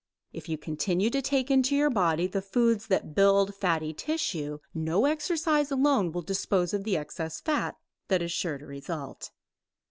If you continue to take into your body the foods that build fatty tissue, no exercise alone will dispose of the excess fat that is sure to result.